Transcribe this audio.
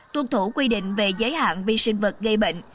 tuân thủ quy định về giới hạn vi sinh vật gây bệnh